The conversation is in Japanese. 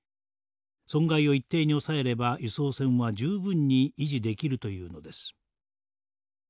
損害を一定に抑えれば輸送船は十分に維持できるというのです。